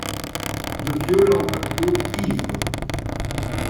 De violents matelots ivres.